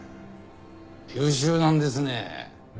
優秀なんですね。